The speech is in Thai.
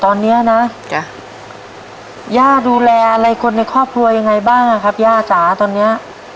ตอนนี้นะจ้ะย่าดูแลอะไรคนในครอบครัวยังไงบ้างครับย่าจ๋าตอนเนี้ย